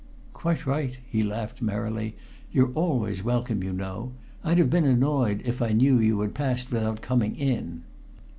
"Quite right," he laughed merrily. "You're always welcome, you know. I'd have been annoyed if I knew you had passed without coming in."